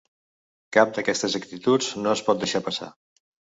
Cap d’aquestes actituds no es pot deixar passar.